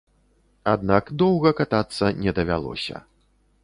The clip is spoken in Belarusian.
Аднак доўга катацца не давялося.